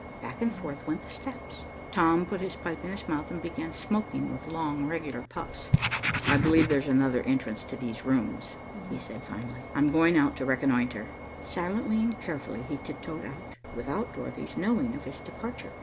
Back and forth went the steps. Tom put his pipe in his mouth and began smoking with long regular puffs. "I believe there's another entrance to these rooms," he said finally. "I'm going out to reconnoitre." Silently and carefully he tiptoed out, without Dorothy's knowing of his departure.